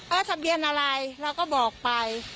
ทะเบียนอะไรเราก็บอกไป